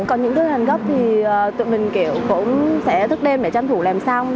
còn những đơn hàng gấp thì tụi mình kiểu cũng sẽ thức đêm để tranh thủ làm xong